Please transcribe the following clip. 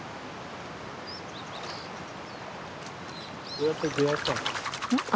どうやって出会ったんですか？